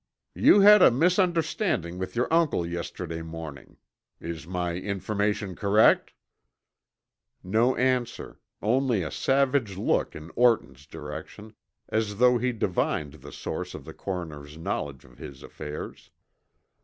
"You had a misunderstanding with your uncle yesterday morning. Is my information correct?" No answer, only a savage look in Orton's direction, as though he divined the source of the coroner's knowledge of his affairs.